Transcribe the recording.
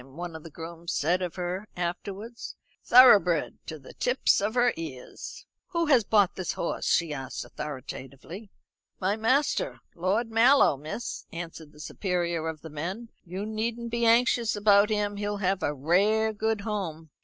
one of the grooms said of her afterwards. "Thoroughbred to the tips of her ears." "Who has bought this horse?" she asked authoritatively. "My master, Lord Mallow, miss," answered the superior of the men. "You needn't be anxious about him; he'll have a rare good home."